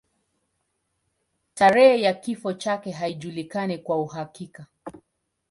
Tarehe ya kifo chake haijulikani kwa uhakika.